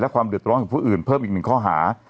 ความเดือดร้อนของผู้อื่นเพิ่มอีกหนึ่งข้อหา